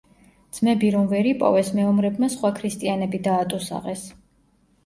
ძმები რომ ვერ იპოვეს, მეომრებმა სხვა ქრისტიანები დაატუსაღეს.